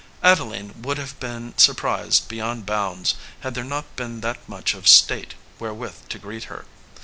Adeline would have been surprised beyond bounds had there not been that much of state wherewith to greet her.